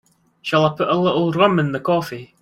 Shall I put a little rum in the coffee?